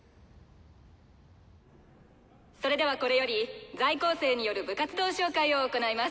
それではこれより在校生による部活動紹介を行います。